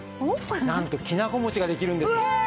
なんときな粉餅ができるんです。